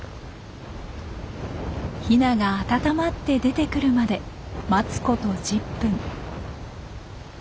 ヒナが温まって出てくるまで待つこと１０分。